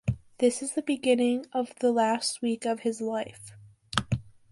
This is the beginning of the last week of his life.